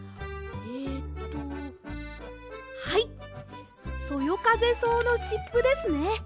えっとはいそよかぜそうのしっぷですね。